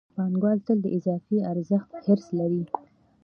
پانګوال تل د اضافي ارزښت حرص لري